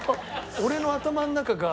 俺の頭の中が。